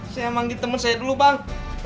saya manggil temen saya dulu bang